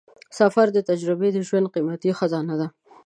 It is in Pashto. د سفر تجربې د ژوند قیمتي خزانه ده.